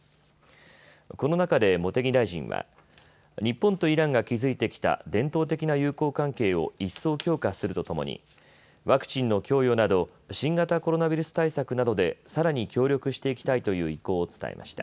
この中で茂木大臣は日本とイランが築いてきた伝統的な友好関係を一層強化するとともにワクチンの供与など新型コロナウイルス対策などでさらに協力していきたいという意向を伝えました。